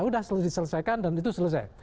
udah selesai selesaikan dan itu selesai